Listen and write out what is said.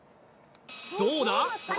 どうだ？